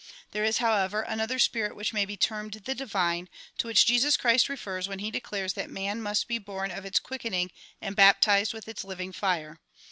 There is however another spirit which may be teraied the divine, to which Jesus Christ refers when he declares that man must be born of its quickening and baptized with its living fire.